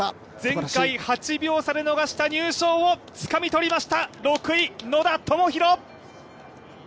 前回８秒差で逃した入賞をつかみとりました６位、野田明宏！